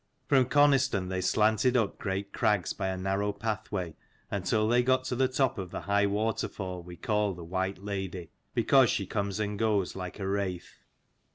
From Coniston they slanted up great crags by a narrow pathway until they got to the top of the high waterfall we call the White Lady, because she comes and goes like a wraith.